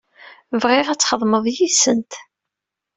Bɣiɣ ad txedmeḍ yid-sent.